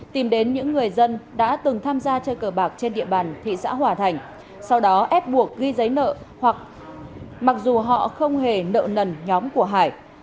tìm đến những người dân đã từng tham gia chơi cờ bạc trên địa bàn thị xã hòa thành sau đó ép buộc ghi giấy nợ hoặc mặc dù họ không hề nợ nần nhóm của hải